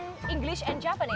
bahasa inggris dan jepang